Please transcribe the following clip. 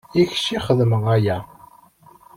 I kečč i xedmeɣ aya.